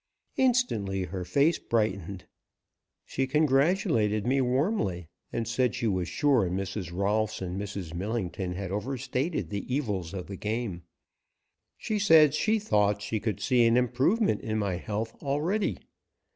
Instantly her face brightened. She congratulated me warmly and said she was sure Mrs. Rolfs and Mrs. Millington had overstated the evils of the game. She said she thought she could see an improvement in my health already.